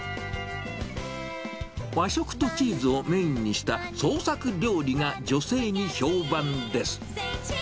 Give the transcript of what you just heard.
和食とチーズをメインにした創作料理が女性に評判です。